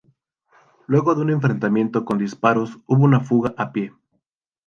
Luego de un enfrentamiento con disparos hubo una fuga a pie.